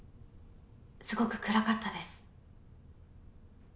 すごく暗かったです。